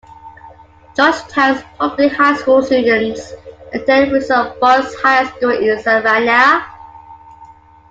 Georgetown's public high school students attend Windsor Forest High School in Savannah.